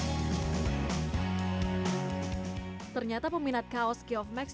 tahun ini yusuf dan fauzan berencana untuk menambahkan jumlah produksi aparel mereka